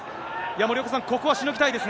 森岡さん、ここはしのぎたいです